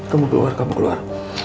kamu keluar kamu keluar